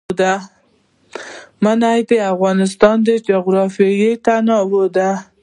منی د افغانستان د جغرافیوي تنوع مثال دی.